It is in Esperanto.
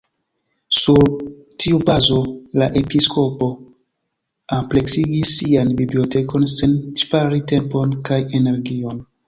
Sur tiu bazo la episkopo ampleksigis sian bibliotekon sen ŝpari tempon kaj energion.